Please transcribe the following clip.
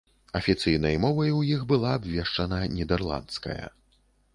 Афіцыйнай мовай у іх была абвешчана нідэрландская.